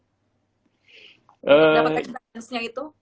dapatkan jelasnya itu